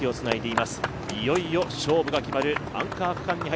いよいよ勝負が決まるアンカー区間。